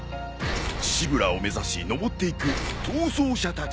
シブラーを目指し登っていく逃走者たち。